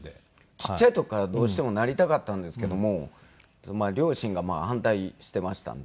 ちっちゃい時からどうしてもなりたかったんですけども両親が反対していましたので。